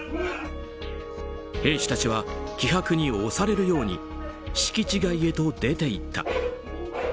兵士たちは気迫に押されるように敷地外へと出ていった。